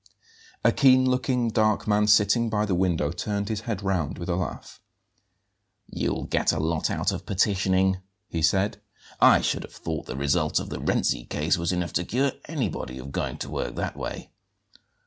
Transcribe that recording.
A keen looking, dark man sitting by the window turned his head round with a laugh. "You'll get a lot out of petitioning!" he said. "I should have thought the result of the Renzi case was enough to cure anybody of going to work that way."